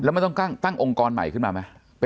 แล้วมันต้องตั้งองค์กรใหม่ขึ้นมาไหม